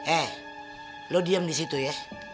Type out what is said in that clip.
eh lo diam di situ ya